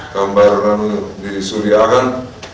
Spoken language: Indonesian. gambaran di suriakan